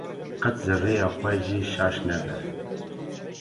qet ji rêya xwe jî şaş nebe.